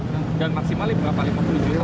dan maksimal berapa rp lima puluh juta